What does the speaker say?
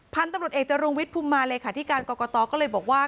พันธุ์ตำรวจเอกจรุงวิทย์ภูมิมาเลขาธิการกรกตก็เลยบอกว่า